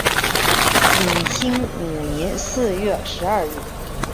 景兴五年四月十二日。